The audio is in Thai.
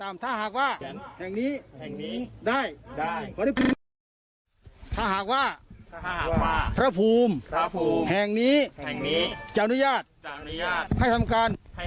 มือนะมือแน่นนะมือแน่นนะจะติ่งแล้วมือจะติ่งแล้ว